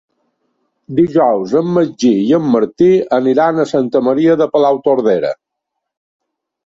Dijous en Magí i en Martí aniran a Santa Maria de Palautordera.